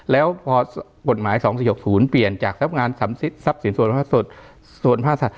แล้วพอกฏหมาย๒๔๖๐เปลี่ยนจากทรัพย์สินโสนภาษั